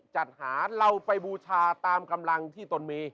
จัดหาเราไปบูชาตามกำลังที่ตนมี